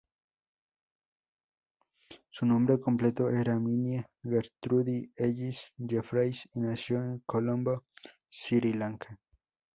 Su nombre completo era Minnie Gertrude Ellis Jeffreys, y nació en Colombo, Sri Lanka.